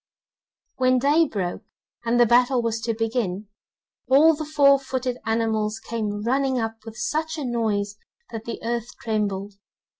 When day broke, and the battle was to begin, all the four footed animals came running up with such a noise that the earth trembled.